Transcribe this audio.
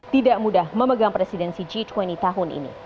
tidak mudah memegang presidensi g dua puluh tahun ini